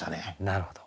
なるほど。